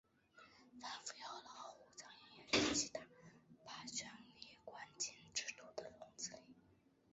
反腐要老虎、苍蝇一起打，把权力关进制度的笼子里。